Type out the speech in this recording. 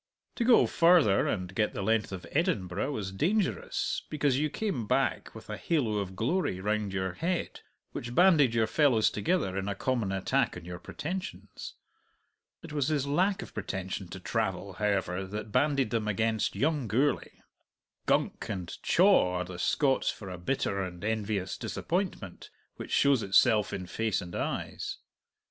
To go farther, and get the length of Edinburgh, was dangerous, because you came back with a halo of glory round your head which banded your fellows together in a common attack on your pretensions. It was his lack of pretension to travel, however, that banded them against young Gourlay. "Gunk" and "chaw" are the Scots for a bitter and envious disappointment which shows itself in face and eyes.